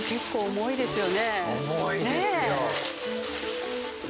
重いですよ。